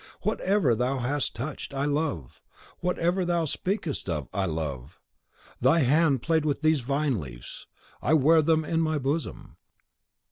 Whatever thou hast touched, I love; whatever thou speakest of, I love. Thy hand played with these vine leaves; I wear them in my bosom.